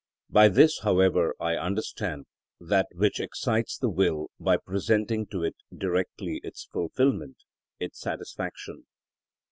By this, however, I understand, that which excites the will by presenting to it directly its fulfilment, its satisfaction.